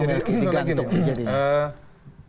jadi itu lagi nih